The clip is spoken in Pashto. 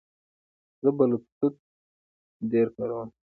زه بلوتوث ډېر کاروم.